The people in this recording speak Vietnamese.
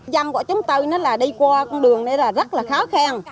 dân của chúng tôi nó là đi qua con đường này là rất là khó khen